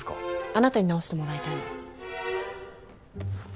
あなたに治してもらいたいの。